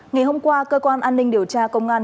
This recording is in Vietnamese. ngày hôm qua cơ quan an ninh điều tra công an